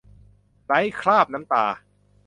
ไร้คราบน้ำตา